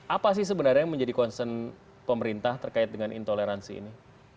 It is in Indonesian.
apa sih sebenarnya yang menjadi concern pemerintah terkait dengan intoleransi ini